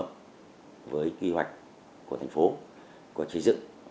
phù hợp với kế hoạch của thành phố của chế dựng